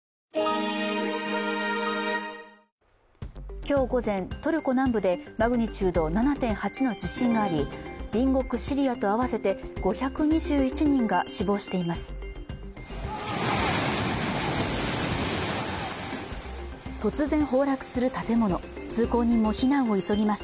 今日午前、トルコ南部でマグニチュード７．８の地震があり、隣国シリアと合わせて５２１人が死亡しています。